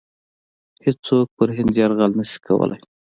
هیڅوک پر هند یرغل نه شي کولای.